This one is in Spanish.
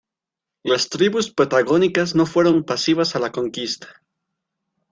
Las tribus patagónicas no fueron pasivas a la conquista.